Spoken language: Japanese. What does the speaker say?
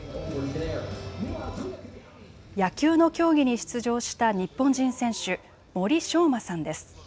野球の競技に出場した日本人選手、森翔真さんです。